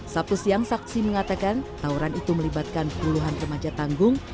sabtu siang saksi mengatakan tawuran itu melibatkan puluhan remaja tanggung